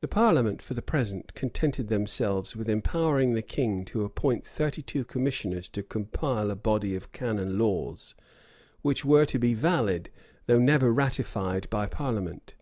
The parliament, for the present, contented themselves with empowering the king to appoint thirty two commissioners to compile a body of canon laws, which were to be valid, though never ratified by parliament.